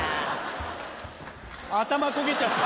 ・頭焦げちゃった。